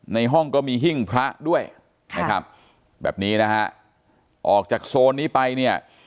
ในห้องก็มีหิ้งพระด้วยนะครับแบบนี้นะฮะออกจากโซนนี้ไปเนี่ย